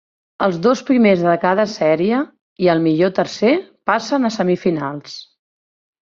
Els dos primers de cada sèrie i el millor tercer passen a semifinals.